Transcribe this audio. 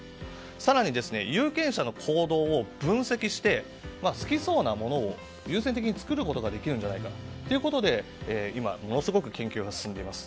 更に、有権者の行動を分析して好きそうなものを優先的に作れるんじゃないかということで今、ものすごく研究が進んでいます。